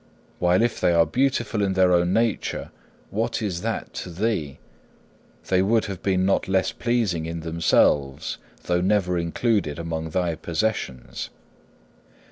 While if they are beautiful in their own nature, what is that to thee? They would have been not less pleasing in themselves, though never included among thy possessions.